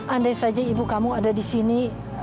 andai saja ibu kamu ada disini